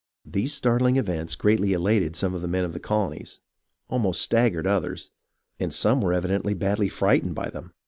•These startUng events greatly elated some of the men of the colonies, almost staggered others, and some were evi dently badly frightened by them.